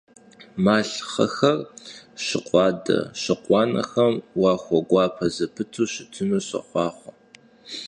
Malhxhexer şıkhu ade - şıkhu anexem yaxueguape zepıtu şıtınu soxhuaxhue!